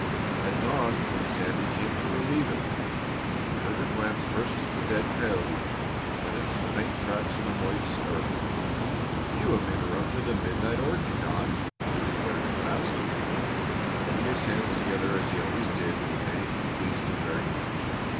At dawn Sandy came to relieve him. The herder glanced first at the dead coyote, then at some faint tracks in the moist earth. "You have interrupted a midnight orgy, Don," he declared at last, rubbing his hands together as he always did when anything pleased him very much.